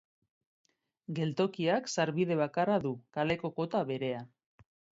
Geltokiak sarbide bakarra du, kaleko kota berean.